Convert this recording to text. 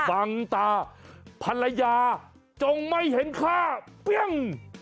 ฟังตาภรรยาจงไม่เห็นค่าเปรี้ยง